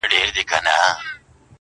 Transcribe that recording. خزان له پېغلو پېزوانونو سره لوبي کوي؛